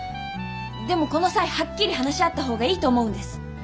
でもこの際はっきり話し合った方がいいと思うんです。